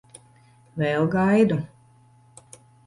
Vēl gaidu.